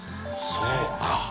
そうか。